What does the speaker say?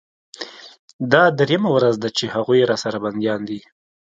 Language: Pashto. دا درېيمه ورځ ده چې هغوى راسره بنديان دي.